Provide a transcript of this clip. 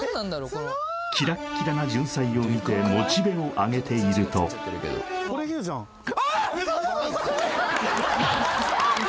このキラッキラなじゅんさいを見てモチベを上げているとあっ！